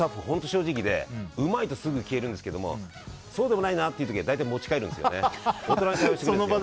本当、正直でうまいとすぐ消えるんですけどそうでもないなって時は大体、持ち帰るんですね。